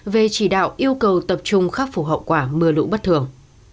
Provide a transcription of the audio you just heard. về chỉ đạo yêu cầu tập trung khắc phục hậu quả mưa lũ bất thường